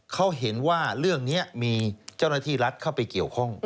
เขาเห็นว่าเรื่องนี้มีเจ้าหน้าที่รัฐเข้าไปเกี่ยวข้อง